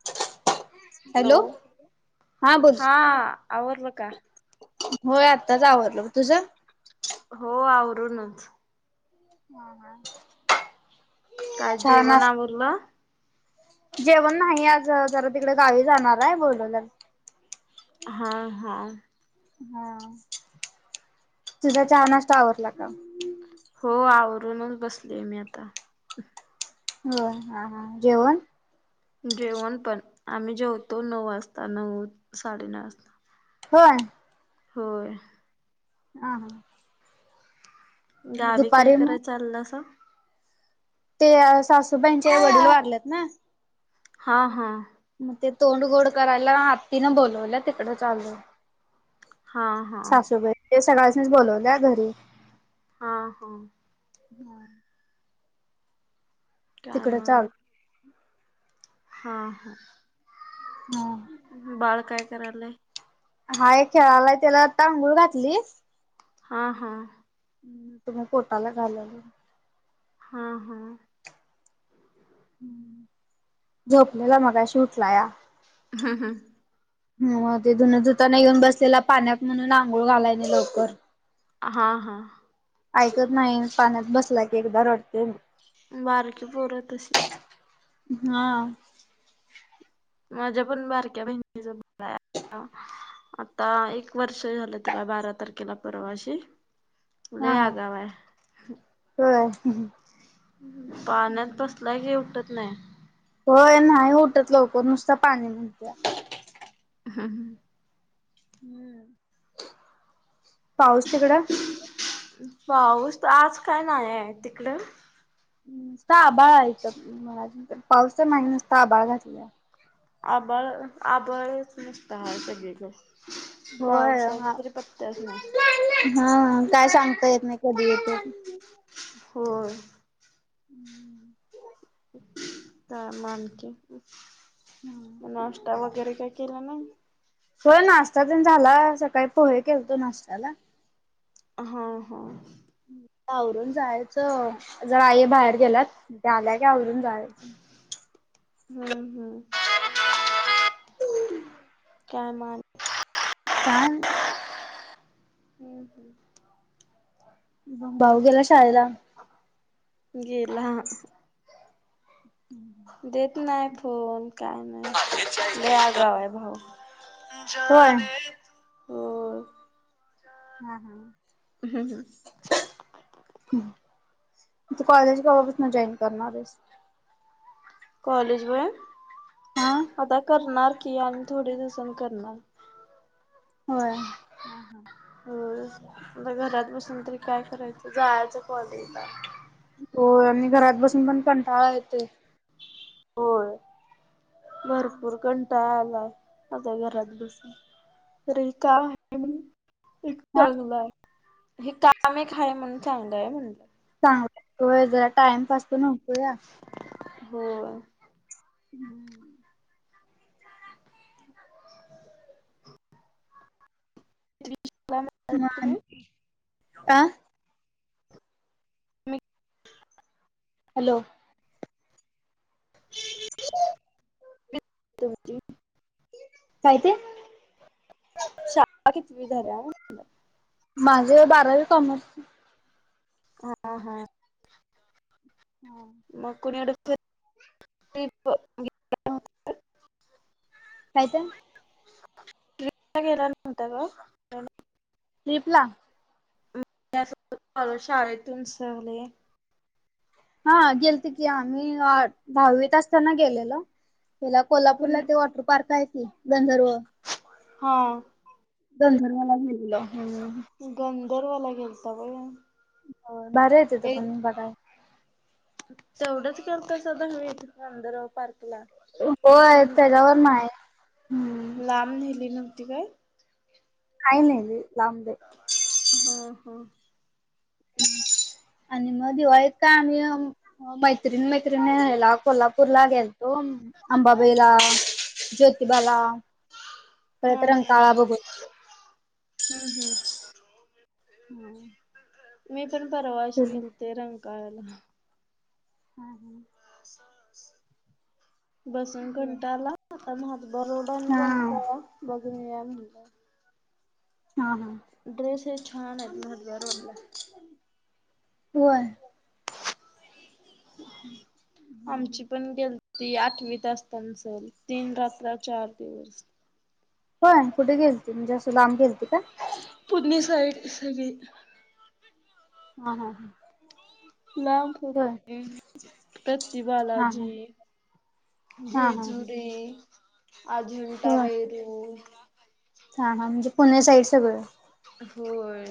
[inaudible] Hello हा आवडलं का होय आत्ताच आवडलो तुझं हो आवरूनच हम हम काय जेवणावरोललं जेवण नाही आज जरा तिकडे गावी जाणार आहे बोलूलं हा हा हा तुझा हानासत आवडला का हो आवरूनच बसली आहे मी आता हो हा ह जेवण जेवण पण आम्ही जेवतो नऊ वाजता नऊ साडेनऊ वाजता होण हो हम हम गावी काय मग कराय चाललं अस ते सासूबाईंच्या वडील वारलेत ना हा हा मग ते तोंड गोड करायला आत्तीनं बोलवलं तिकडं चालू हा हा सासूबा ते सगळचच बोलवल्या घरी हा हा हम्म तिकडे कायमाने चालू हा हां हम बाळ काय करायलय हा एक खेळाला त्याला तांदूळ घातली हा हां हम् तुम्ही पोटाला घालवल हा हा झोपलेला मगा शूटला या हा हं हो ते धुनं धुताना घेऊन बसलेला पाण्यात म्हणून आंघोळ घालायने लवकर हा हा ऐकत नाही पाण्यात बसला की एकदा रडते बारके पुर तशीच हा माझ्या पण बारक्या बहिणीचा आता एक वर्ष झालं तिला बारा तारखेला परवाशी ल हा हा. आग व होय पाण्यात बसलाय क उठत नाही होय नाही उठत लवकर नुसत पाणी म्ह्हत्या हा हा हम्म पाऊस तिकडं पाऊस तर आज काय नाही आहे तिकड ता आबाळ आहे तर पावसा महिनसता आबाळ घातला आबळ आबळच नसत आहे सगळे होय पावसाच्या तरी पत्त्याच नाही हा काय सांगता येत नाही कधी येतो हो हम्म काय मानक नाश्ता वगैरे काय केला नाही हो नाश्ता जण झाला सकाळी पोहे केलतो नाश्त्याला हा हा आवरून जायचं जरा आई बाहेर गेलात आल्याय का आवरून जायचं हम्म हम्म कामान काय हम् हम भाऊ गेला शायदा गेला हम् देत नाही फोन काय नाही लगाव आहे भाऊ होय होम हम् हम हा ह कॉलेज का बापसन ज्इन करणारेस कॉलेज व हा आता करणार की आणि थोडे दिसांनी करणार होय ह हा हो आता घरात बसून तरी काय करायचं जायचं कॉलेज हो आणि घरात बसून पण कंटाळा येते होय भरपूर कं यलाय माझ्या घरात बसून त का आहे एक हा चांगलं आहे हे काम आहे काय म्हण चांगलं आहे म्हणलं चांगलाोय जरा टाइमपास तर नव्हतो या हो हम्म म ारत आणि आ हॅलो ह तमज कायित शाळा कितीवी झाल्या माझे बारावी कॉमर्स हा हा म कुणीड त कायच िक केला नव्हता का स्लीपला ल शाळेतून सगळे हा गेल त की आम्ही दहावीत असताना गेलेलो गला कुण कोल्हापूरला ते वॉटर पार्क आहे की गंधर्व हा गधंधर्वाला गेलेलं हम्म. गंधर्वाला गेलता व्हय. हो भारी हाय तिथे पण बघाय तेवढंच करतय सध हवी मंदर पार्कला हो अशी आहे त्याच्यावर नाही. हम्म लांब नेली नव्हती काय? [unintelligible] हा हा. आणि मग दिवाळीत आम्ही अ मैत्रीण मैत्रिणी ह्याला कोल्हापूर ला गेल तो अंबाबाईला ज्योतिबाला हा परत हा रंकाळा बघून हम्म हम्म. [unintelligible] मी पण हा परवाशी गेलते रंगकाला [unintelligible] बसून होय घंटाला आता मात बरडन हा जायच को बघूनया म्हणलं. हा हा. ड्रेस हे छान आहेत मधल्या रोडला. व्हय. आमची पण गेल ती आठवी असतान चल तीन रात्र चार दिवस. होय कुठे गेलती म्हणजे असं लांब गेलती का. पुदनी साईड सगळी. आ हा. लांब होय गेलते प्रति हा हा बालाजी हा हा हा जेजुरी अजिटा होय वेरूळ हा हा म्हणजे पुण्या साईड सगळं. होय.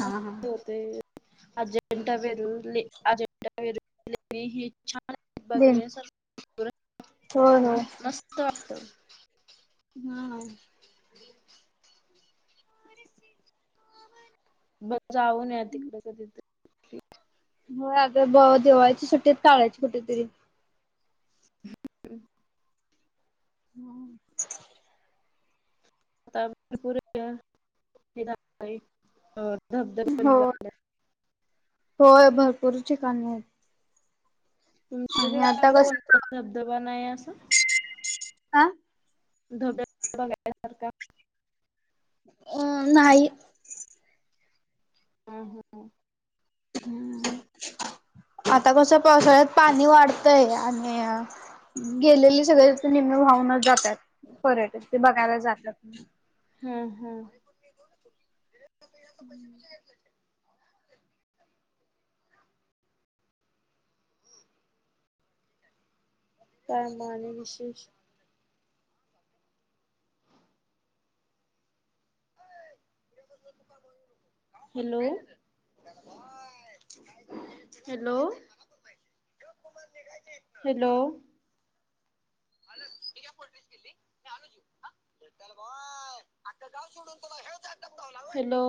हा हा. मस्त होते अजिंठा बेरूळ अजिंठा वेरूळ हे छान देन बघण्या सारखं सगळ होय होय हम्म मस्त वाटतं. हा. [inaudible] बस जाऊन या तिकडे कधीतरी. हो अग दिवाळीच्या सुट्टीत काडायची कुठेतरी [unintelligible] हम्म. आ भरपूर धबधब हो निघालल्या होय भरपूर ठिकाणी आहेत. म्हजे आणि ते आता कसं कोणता धबधबा नाही असं. आ. [unintelligible] अ नाही हा हा. [inaudible] आता कसं पावसाळ्यात पाणी वाढतंय आणि गेलेली सगळे निमन भावनच जातात पर्यटक ते बघायला जातात. हम्म हम्म. [unintelligible] कामाणे विशेष हॅलो हॅलो हॅलो हल हठी पोल्ट गिल्ली मी आलोजव य आता जाऊ सोडून तुला हेळलालो